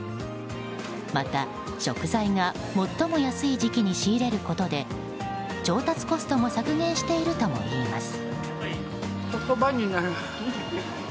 また、食材が最も安い時期に仕入れることで調達コストも削減しているともいいます。